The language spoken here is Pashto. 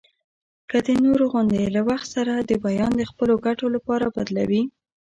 که د نورو غوندي له وخت سره د بیان د خپلو ګټو لپاره بدلوي.